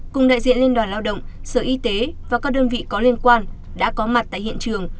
cùng đại diện liên đoàn lao động sở y tế và các đơn vị có liên quan đã có mặt tại hiện trường